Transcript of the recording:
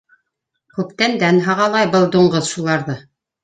Күптәндән һағалай был дуңғыҙ шуларҙы.